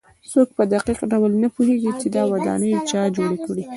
څوک په دقیق ډول نه پوهېږي چې دا ودانۍ چا جوړې کړې.